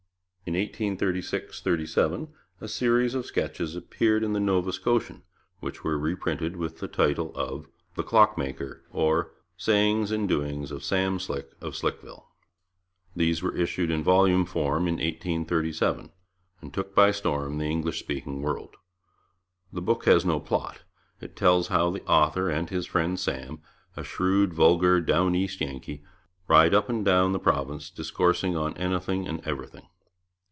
In 1836 37 a series of sketches appeared in the Nova Scotian, which were reprinted with the title of The Clockmaker; or the Sayings and Doings of Sam Slick of Slickville. These were issued in volume form in 1837, and took by storm the English speaking world. The book has no plot. It tells how the author and his friend Sam, a shrewd vulgar Down East Yankee, ride up and down the province discoursing on anything and everything.